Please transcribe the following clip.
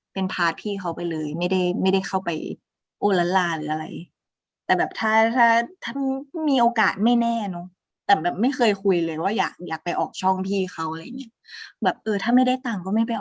ต้องได้ต่างถ้าไม่ได้ตังไม่ออกหรอกใครจะออกฟรีก่อนเดี๋ยวเราเล่นอย่างเยอะพอ